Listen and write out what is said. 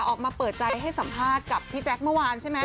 ออกมาเปิดใจให้สัมภาษณ์กับพี่แจ๊คเมื่อวานใช่ไหม